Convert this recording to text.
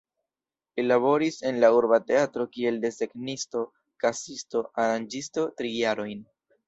Li laboris en la urba teatro kiel desegnisto, kasisto, aranĝisto tri jarojn.